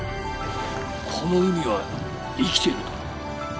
この海は生きている。